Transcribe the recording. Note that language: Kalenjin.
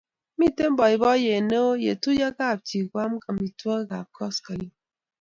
Mito boiboiet neoo ya tuyo kapchii koam amitwogikab koskoleny